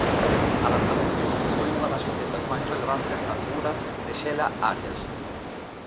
A da tradución foi unha das facetas máis relevantes na figura de Xela Arias.